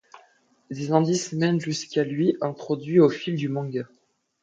Des indices mènent jusqu'à lui, introduits au fil du manga.